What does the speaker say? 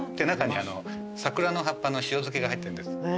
中に桜の葉っぱの塩漬けが入ってるんです。